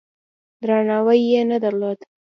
درناوی یې نه درلود.